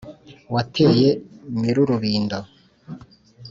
wateye nyir' urubindo,